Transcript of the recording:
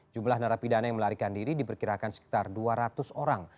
jumlah narapidana yang melarikan diri diperkirakan sekitar dua ratus orang